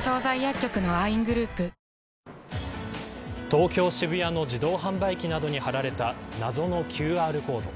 東京、渋谷の自動販売機などに貼られた謎のＱＲコード。